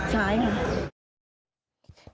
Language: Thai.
ใช่ค่ะ